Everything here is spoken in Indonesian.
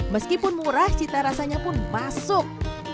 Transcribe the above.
meskipun murah cita rasanya pun masuk